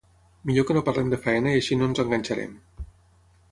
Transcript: Millor que no parlem de feina i així no ens enganxarem.